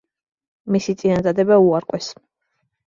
მისი წინადადება უარყვეს.